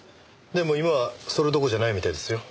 でも今はそれどころじゃないみたいですよ。